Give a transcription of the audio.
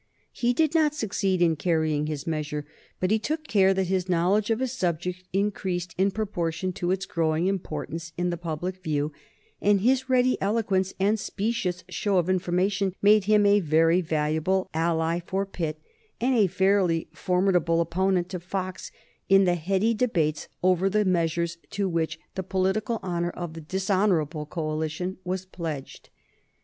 He did not succeed in carrying his measure, but he took care that his knowledge of his subject increased in proportion to its growing importance in the public view, and his ready eloquence and specious show of information made him a very valuable ally for Pitt and a fairly formidable opponent to Fox in the heady debates over the measures to which the political honor of the dishonorable coalition was pledged.